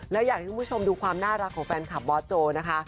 แล้วอยากให้คุณผู้ชมดูความน่ารักของแฟนคลับบอสโจนะคะ